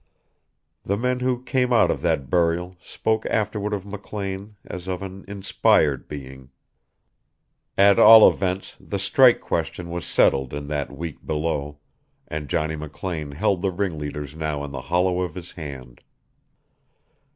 The men who came out of that burial spoke afterward of McLean as of an inspired being. At all events the strike question was settled in that week below, and Johnny McLean held the ringleaders now in the hollow of his hand.